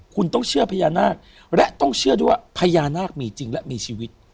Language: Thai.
คุณต้องเชื่อพญานาคและต้องเชื่อด้วยว่าพญานาคมีจริงและมีชีวิต